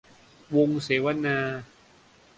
วงเสวนา